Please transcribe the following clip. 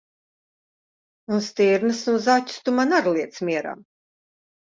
Un stirnas un zaķus tu man ar liec mierā!